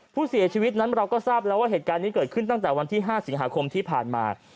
ผู้เสียชีวิตนั้นเราก็ทราบแล้วว่าเหตุการณ์นี้เกิดขึ้นตั้งแต่วันที่๕สิงหาคมที่ผ่านมา